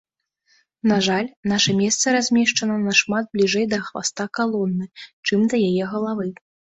На жаль, наша месца размешчана нашмат бліжэй да хваста калоны, чым да яе галавы.